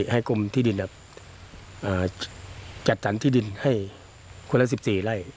ให้กลุ่มที่ดินจัดจันที่ดินให้คนละ๑๔ไร่